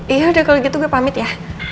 iya udah kalau gitu gue pamit ya